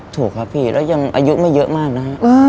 ถูกครับพี่แล้วยังอายุไม่เยอะมากนะฮะ